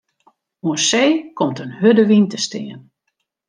Oan see komt in hurde wyn te stean.